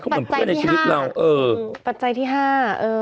เหมือนเพื่อนในชีวิตเราเออปัจจัยที่ห้าเออ